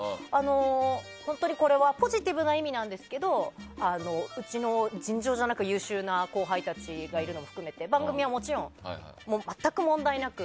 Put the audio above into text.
本当にこれはポジティブな意味なんですけどうちの尋常じゃなく優秀な後輩たちがいるのも含めて番組はもちろん全く問題なく。